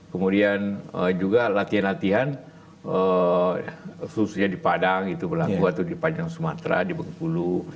kemudian juga latihan latihan khususnya di padang itu berlaku atau di panjang sumatera di bengkulu